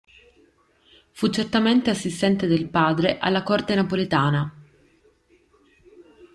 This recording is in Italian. Fu certamente assistente del padre alla corte napoletana.